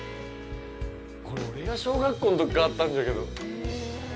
これ、俺が小学校のときからあったんじゃけど。